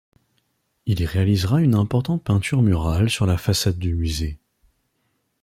Il y réalisera une importante peinture murale sur la façade du Musée.